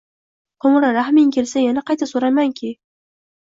Qumri, rahming kelsa yana qayta so’raymanki